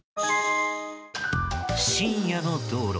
深夜の道路。